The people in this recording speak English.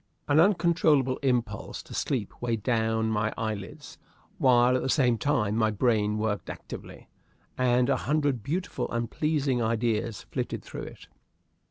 An uncontrollable impulse to sleep weighed down my eyelids, while, at the same time my brain worked actively, and a hundred beautiful and pleasing ideas flitted through it.